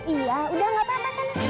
iya udah gak apa apa sana